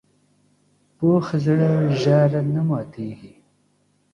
پوخ زړه ژر نه ماتیږي